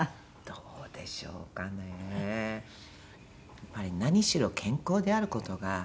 やっぱり何しろ健康である事が。